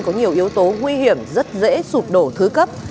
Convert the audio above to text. có nhiều yếu tố nguy hiểm rất dễ sụp đổ thứ cấp